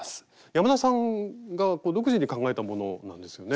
山田さんが独自に考えたものなんですよね？